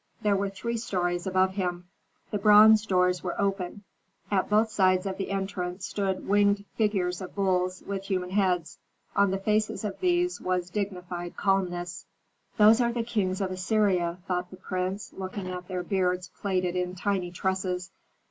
There were three stories above him. The bronze doors were open; at both sides of the entrance stood winged figures of bulls with human heads; on the faces of these was dignified calmness. "Those are kings of Assyria," thought the prince, looking at their beards plaited in tiny tresses.